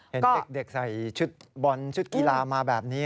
เห็นเด็กใส่ชุดบอลชุดกีฬามาแบบนี้